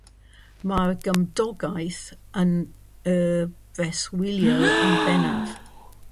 Mae'r gymdogaeth yn un breswyliol yn bennaf.